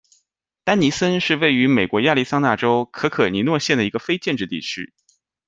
丹尼森是位于美国亚利桑那州可可尼诺县的一个非建制地区。